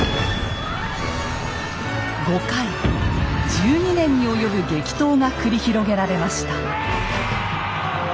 １２年に及ぶ激闘が繰り広げられました。